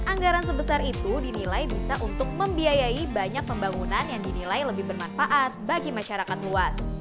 anggaran sebesar itu dinilai bisa untuk membiayai banyak pembangunan yang dinilai lebih bermanfaat bagi masyarakat luas